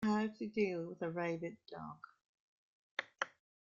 How to deal with a rabid dog.